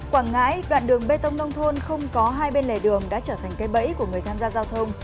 quảng ngãi đoạn đường bê tông nông thôn không có hai bên lề đường đã trở thành cây bẫy của người tham gia giao thông